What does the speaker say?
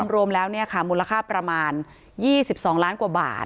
รวมแล้วมูลค่าประมาณ๒๒ล้านกว่าบาท